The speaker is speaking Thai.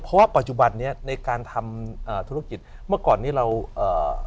เพราะว่าปัจจุบันเนี้ยในการทำอ่าธุรกิจเมื่อก่อนนี้เราเอ่อ